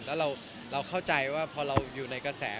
แล้วเราเข้าใจว่าพอเราอยู่ในกระแส